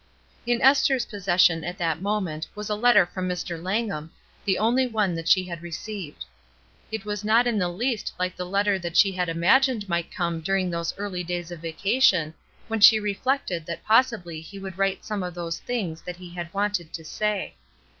In Esther's possession at that moment was a letter from Mr. Langham, the only one that she had received. It was not in the least like the letter that she had imagined might come during those early days of vacation when she reflected that possibly he would write some of those things that he had wanted to say.